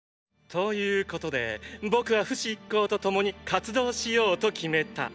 ということで僕はフシ一行と共に活動しようと決めた。